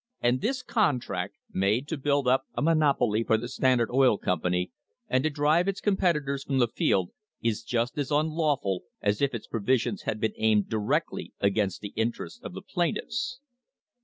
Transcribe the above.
And this contract, made to build up a monopoly for the Standard Oil Company and to drive its competitors from the field, is just as unlawful as if its provisions had been aimed directly against the interests of the plaintiffs."